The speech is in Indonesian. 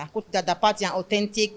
aku tidak dapat yang autentik